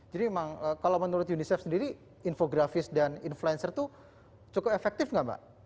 jadi memang kalau menurut unicef sendiri infografis dan influencer tuh cukup efektif gak mbak